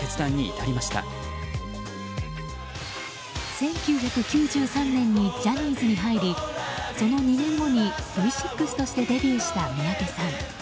１９９３年にジャニーズに入りその２年後にＶ６としてデビューした三宅さん。